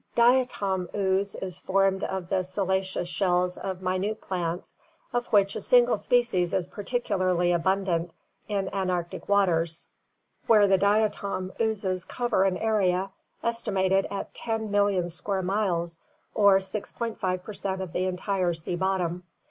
Diatom ooze is formed of the siliceous shells of minute plants, of which a single species is particularly abundant in Antarctic waters, where the Diatom oozes cover an area estimated at 10,000,000 square miles or 6.5 per cent of the entire sea bottom.